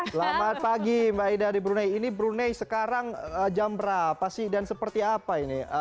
selamat pagi mbak ida di brunei ini brunei sekarang jam berapa sih dan seperti apa ini